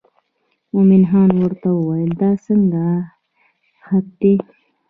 مومن خان ورته وویل دا څنګه خط دی.